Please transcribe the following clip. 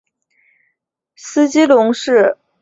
斯基龙是该地区所出土的唯一恐龙。